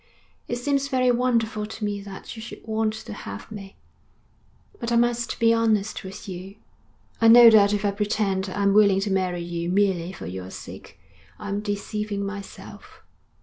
It seems very wonderful to me that you should want to have me. But I must be honest with you. I know that if I pretend I'm willing to marry you merely for your sake I'm deceiving myself.